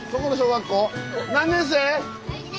何年生？